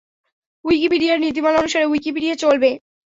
উইকিপিডিয়ার নীতিমালা অনুসারে উইকিপিডিয়া চলবে।